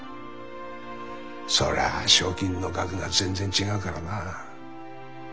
そりゃあ賞金の額が全然違うからな。